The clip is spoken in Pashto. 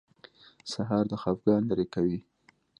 سهار د خفګان لرې کوي.